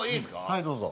はいどうぞ。